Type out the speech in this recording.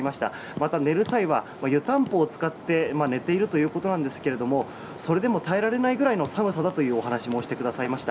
また寝る際は湯たんぽを使って寝ているということですがそれでも耐えられないぐらいの寒さという話をしてくださいました。